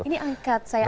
betul ini angkat saya aja